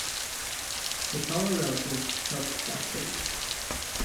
The taller relatives helped backstage.